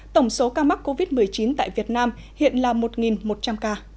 tổng số ca mắc covid một mươi chín tại việt nam hiện là một một trăm linh ca